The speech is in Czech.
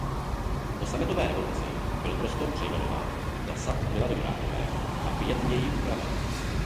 Po Sametové revoluci byl prostor přejmenován na "Sad Milady Horákové" a pietněji upraven.